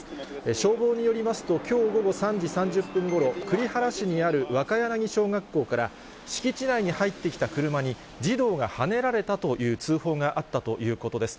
消防によりますと、きょう午後３時３０分ごろ、栗原市にある若柳小学校から、敷地内に入ってきた車に、児童がはねられたという通報があったということです。